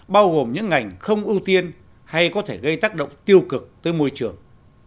bao gồm những ngành không ưu tiên hay có thể gây tác động tiêu cực tới môi trường